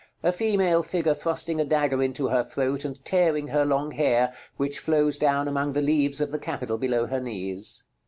A female figure thrusting a dagger into her throat, and tearing her long hair, which flows down among the leaves of the capital below her knees.